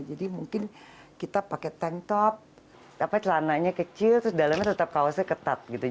jadi mungkin kita pakai tank top celananya kecil terus dalemnya tetap kawasnya ketat gitu